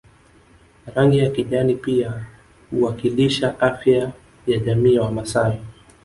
Rangi ya kijani pia huwakilisha afya ya jamii ya Wamasai